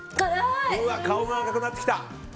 顔が赤くなってきた！